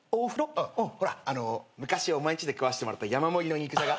ほらあの昔お前んちで食わせてもらった山盛りの肉じゃが